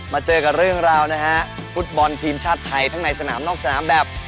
เจอกับเรื่องราวนะฮะฟุตบอลทีมชาติไทยทั้งในสนามนอกสนามแบบ